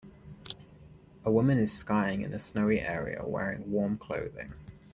A woman is skying in a snowy area wearing warm clothing.